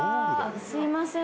すいません。